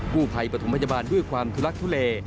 ผู้ภัยปฐมพยาบาลด้วยความทุลักทุเล